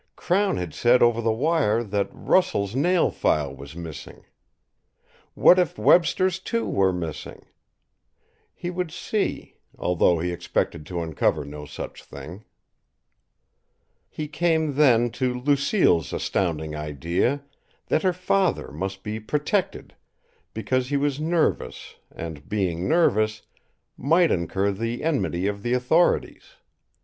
Crown had said over the wire that Russell's nail file was missing. What if Webster's, too, were missing? He would see although he expected to uncover no such thing. He came, then, to Lucille's astounding idea, that her father must be "protected," because he was nervous and, being nervous, might incur the enmity of the authorities.